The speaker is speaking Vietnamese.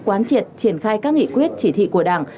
quán triệt triển khai các nghị quyết chỉ thị của đảng